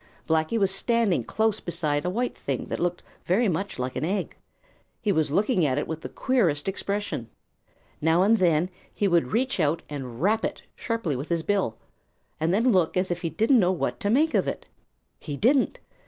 Blacky was standing close beside a white thing that looked very much like an egg. He was looking at it with the queerest expression. Now and then he would reach out and rap it sharply with his bill, and then look as if he didn't know what to make of it. He didn't.